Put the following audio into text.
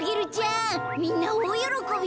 みんなおおよろこびだよ。